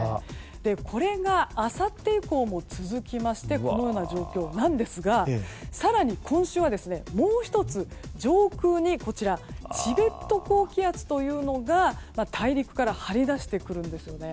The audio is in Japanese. これがあさって以降も続きましてこのような状況なんですが更に今週はもう１つ、上空にチベット高気圧というのが大陸から張り出してくるんですね。